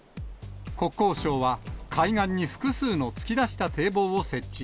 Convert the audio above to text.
国交省は海岸に複数のつきだした堤防を設置。